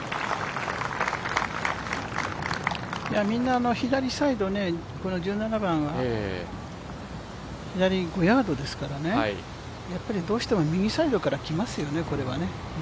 みんな左サイド、１７番、左５ヤードですからどうしても右サイドからきますよね、これはね。